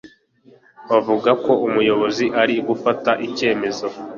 Bavuga ko Umuyobozi ari gufata icyemezo.